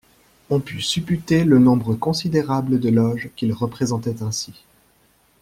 On put supputer le nombre considérable de Loges qu'il représentait ainsi.